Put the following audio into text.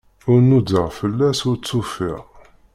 Ur nudaɣ fell-as, ur tt-ufiɣ.